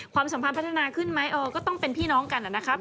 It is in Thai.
สัมพันธ์พัฒนาขึ้นไหมก็ต้องเป็นพี่น้องกันนะครับ